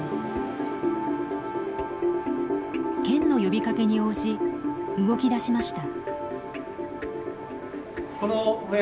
県の呼びかけに応じ動き出しました。